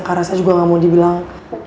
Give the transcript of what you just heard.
karena saya juga gak mau dibilang